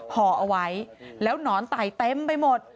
ห่อเอาไว้แล้วหนอนไต่เต็มไปหมด